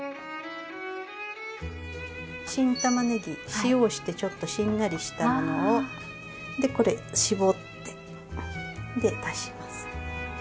新たまねぎ塩をしてちょっとしんなりしたものをでこれ絞ってで足します。